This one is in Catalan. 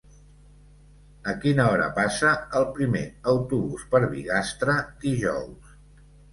A quina hora passa el primer autobús per Bigastre dijous?